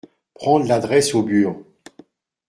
Prendre l'adresse au bur.